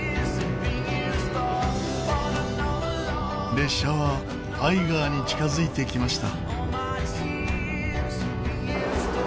列車はアイガーに近づいてきました。